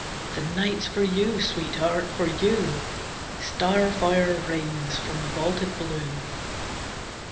The night's for you, Sweetheart, for you! Starfire rains from the vaulted blue.